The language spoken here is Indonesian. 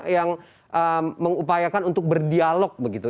yang mengupayakan untuk berdialog begitu